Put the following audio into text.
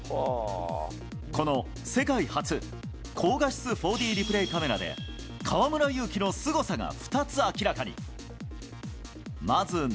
この世界初、高画質４Ｄリプレイカメラで、河村勇輝のすごさが２つ明らかに。